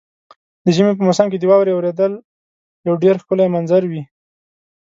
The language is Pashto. د ژمي په موسم کې د واورې اورېدل یو ډېر ښکلی منظر وي.